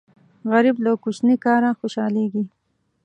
غریب له کوچني کاره خوشاليږي